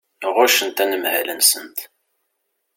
Ɣuccent anemhal-nsent.